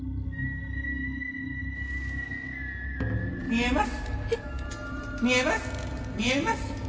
見えます。